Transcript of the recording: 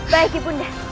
baik ibu nda